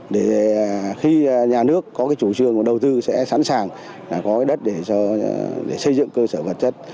để khi nhà nước có cái chủ trương đầu tư sẽ sẵn sàng có cái đất để xây dựng cơ sở vật chất